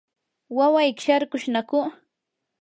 ¿wawayki sharkushnaku?